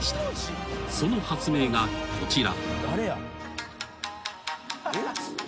［その発明がこちら］